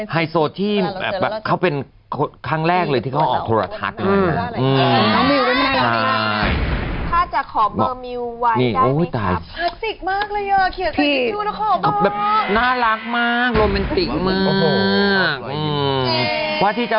ไฮโซที่เขาเป็นครั้งแรกเลยที่เขาถูลทัก